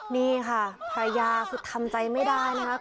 นี่ค่ะภรรยาคือทำใจไม่ได้นะครับ